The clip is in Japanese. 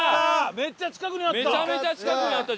めっちゃ近くにあった！